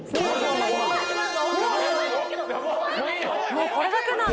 もうこれだけなんだ